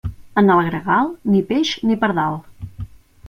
En el gregal, ni peix ni pardal.